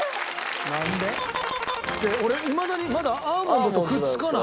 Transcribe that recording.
なんで？って俺いまだにまだアーモンドとくっつかない。